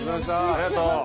ありがとう。